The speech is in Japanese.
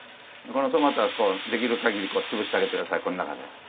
このトマトはできるかぎり潰してあげて下さいこの中で。